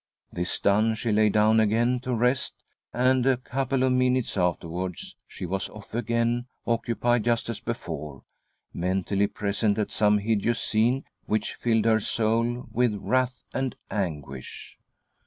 This done, she lay down again to rest, and a couple of minutes afterwards she was off again, occupied just as before, mentally present at some hideous scene which filled her soul with wrath and anguish.